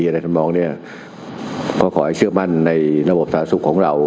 ทำนองเนี้ยก็ขอให้เชื่อมั่นในระบบสาธารณสุขของเรา